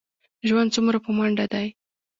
ژوند څومره په منډه دی.